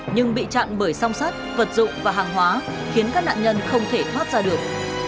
nhưng bị chặn bởi song sắt vật dụng và hàng hóa khiến các nạn nhân không thể thoát ra được